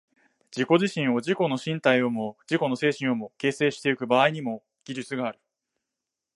自己自身を、自己の身体をも自己の精神をも、形成してゆく場合にも、技術がある。